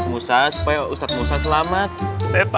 lembahi banget lembahi